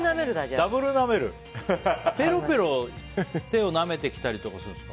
ペロペロ手をなめてきたりするんですか？